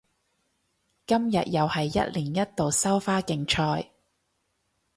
今日又係一年一度收花競賽